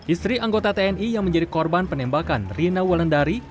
istri anggota tni yang menjadi korban penembakan rina walendari